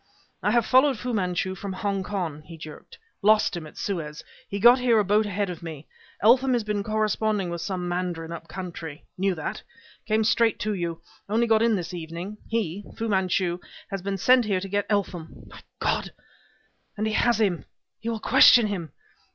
"I have followed Fu Manchu from Hongkong," he jerked. "Lost him at Suez. He got here a boat ahead of me. Eltham has been corresponding with some mandarin up country. Knew that. Came straight to you. Only got in this evening. He Fu Manchu has been sent here to get Eltham. My God! and he has him! He will question him!